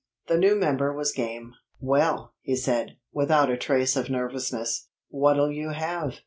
The new member was game. "Well," he said, without a trace of nervousness; "what'll you have?"